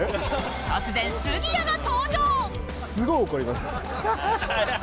突然杉谷が登場！